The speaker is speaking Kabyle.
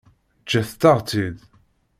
Ǧǧet-aɣ-tt-id.